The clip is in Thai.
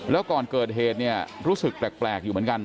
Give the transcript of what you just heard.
แล้วก่อนเกิดเหตุเนี่ยรู้สึกแปลกอยู่เหมือนกัน